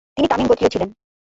তিনি তামিম গোত্রীয় ছিলেন।